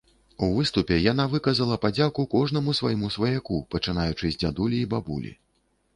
У выступе яна выказала падзяку кожнаму свайму сваяку, пачынаючы з дзядулі і бабулі.